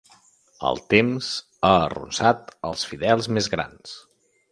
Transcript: El temps ha arronsat els fidels més grans.